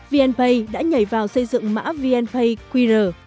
vnpay đã nhảy vào xây dựng mã vnpay qr